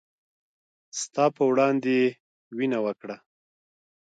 ستا په وړاندې يې وينه وکړه